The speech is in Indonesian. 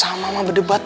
eh gue nih si agak